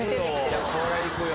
これはいくよ。